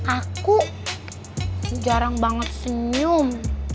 aku jarang banget senyum